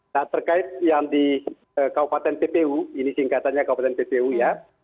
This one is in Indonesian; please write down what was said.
nah terkait yang di kabupaten tpu ini singkatannya kabupaten tpu ya